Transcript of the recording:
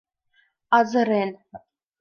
Азырен!..